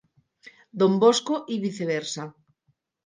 Don Bosco y viceversa.